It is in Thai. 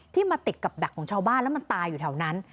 มาติดกับแบ็คของชาวบ้านแล้วมันตายอยู่แถวนั้น